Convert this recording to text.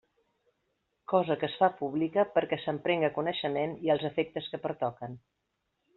Cosa que es fa pública perquè se'n prenga coneixement i als efectes que pertoquen.